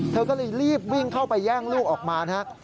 เธอก็เลยรีบวิ่งเข้าไปแย่งลูกออกมานะครับ